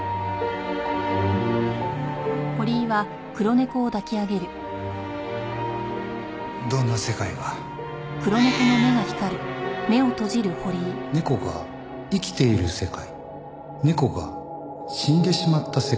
猫が生きている世界猫が死んでしまった世界。